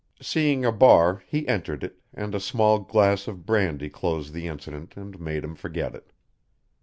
Seeing a bar he entered it, and a small glass of brandy closed the incident and made him forget it.